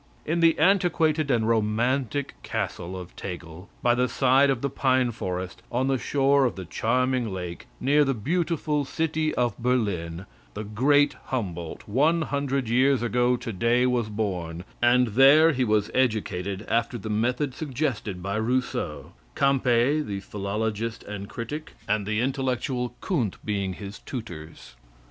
In the antiquated and romantic castle of Tegel, by the side of the pine forest, on the shore of the charming lake, near the beautiful city of Berlin, the great Humboldt, one hundred years ago to day, was born, and there he was educated after the method suggested by Rousseau Campe, the philologist and critic, and the intellectual Kunth being his tutors.